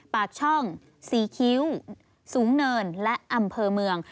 ปากช่องศรีคิ้วสูงเนินและอำเภอเมือง